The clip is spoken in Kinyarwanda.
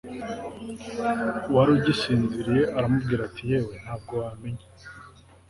wari ugisinziriye aramubwira ati yewe ntabwo wamenye